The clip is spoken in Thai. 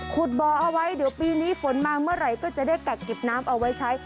บ่อเอาไว้เดี๋ยวปีนี้ฝนมาเมื่อไหร่ก็จะได้กักเก็บน้ำเอาไว้ใช้